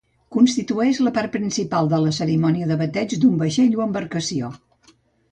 Constitueix la part principal de la cerimònia de bateig d'un vaixell o embarcació.